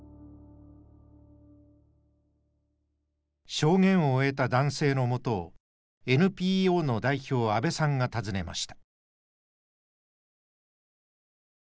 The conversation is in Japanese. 証言を終えた男性のもとをＮＰＯの代表阿部さんが訪ねました。